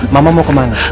mama mau kemana